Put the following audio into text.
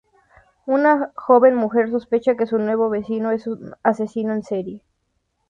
Una joven mujer sospecha que su nuevo vecino es un asesino en serie.